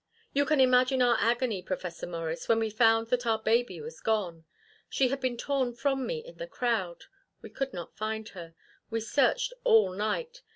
"You can imagine our agony, Professor Morris, when we found that our baby was gone. She had been torn from me in the crowd. We could not find her. We searched all night.